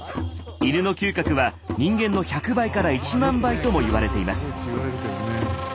犬の嗅覚は人間の１００倍から１万倍とも言われています。